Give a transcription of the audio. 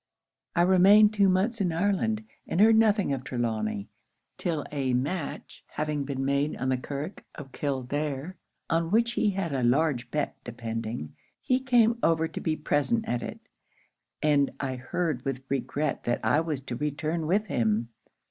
'I remained two months in Ireland; and heard nothing of Trelawny, 'till a match having been made on the Curragh of Kildare, on which he had a large bet depending, he came over to be present at it; and I heard with regret that I was to return with him.